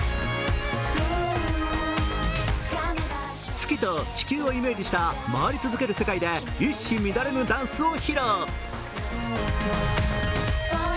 月と地球をイメージした、回り続ける世界で一糸乱れぬダンスを披露。